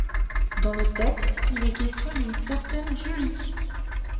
Dans le texte, il est question d'une certaine Julie.